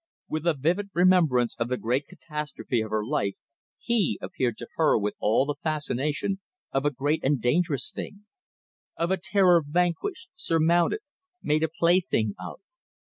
With a vivid remembrance of the great catastrophe of her life he appeared to her with all the fascination of a great and dangerous thing; of a terror vanquished, surmounted, made a plaything of.